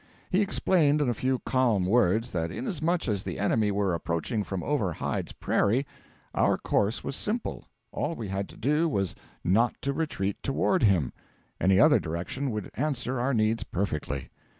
He explained in a few calm words, that inasmuch as the enemy were approaching from over Hyde's prairie, our course was simple: all we had to do was not to retreat toward him; any other direction would answer our needs perfectly.